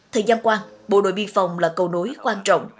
thưa giam quan bộ đội biên phòng là cầu nối quan trọng